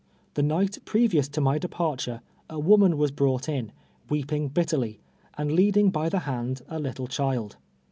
The night previous to my departure a woman was brought in, weeping bitterly, and leading by the hand a little child.